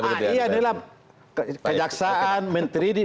iya kejaksaan menteri